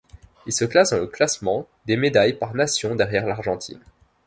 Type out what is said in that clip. Il se classe dans le classement des médailles par nation derrière l'Argentine.